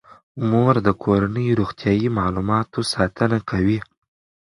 مور د کورنۍ د روغتیايي معلوماتو ساتنه کوي.